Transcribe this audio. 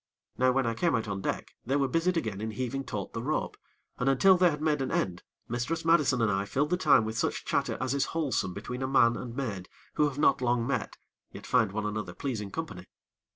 Now when I came out on deck, they were busied again in heaving taut the rope, and, until they had made an end, Mistress Madison and I filled the time with such chatter as is wholesome between a man and maid who have not long met, yet find one another pleasing company.